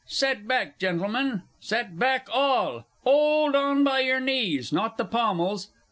Set back, Gentlemen, set back all 'old on by your knees, not the pommels.